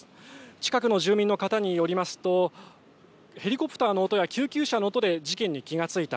近くの住民の方によりますとヘリコプターの音や救急車の音で事件に気が付いた。